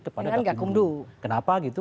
kepada kegak kumdu